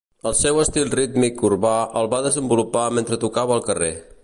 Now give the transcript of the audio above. El seu estil rítmic urbà el va desenvolupar mentre tocava al carrer.